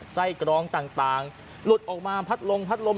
ไส้กรองต่างหลุดออกมาพัดลมพัดลม